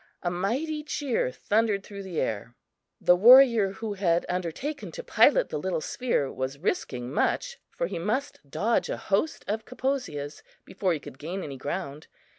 A mighty cheer thundered through the air. The warrior who had undertaken to pilot the little sphere was risking much, for he must dodge a host of Kaposias before he could gain any ground.